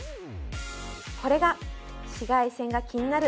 これが紫外線が気になる